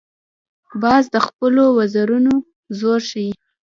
باز د خپلو وزرونو زور ښيي